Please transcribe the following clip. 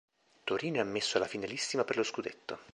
Torino è ammesso alla finalissima per lo scudetto.